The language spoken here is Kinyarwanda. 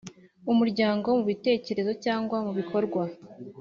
Umuryango mu bitekerezo cyangwa mu bikorwa